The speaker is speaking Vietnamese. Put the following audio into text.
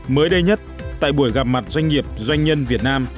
mới đây nhất tại buổi gặp mặt doanh nghiệp doanh nhân việt nam